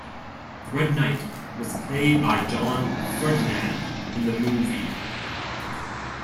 The Red Knight was played by John Ferdinand in the movie.